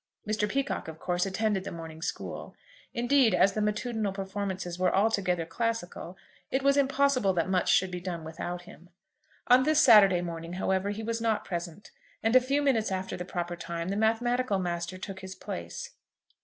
Mr. Peacocke, of course, attended the morning school. Indeed, as the matutinal performances were altogether classical, it was impossible that much should be done without him. On this Saturday morning, however, he was not present; and a few minutes after the proper time, the mathematical master took his place.